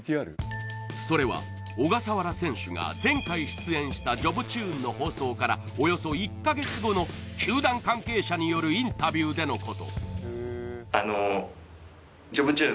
それは小笠原選手が前回出演した「ジョブチューン」の放送からおよそ１か月後の球団関係者によるインタビューでのことあの「ジョブチューン」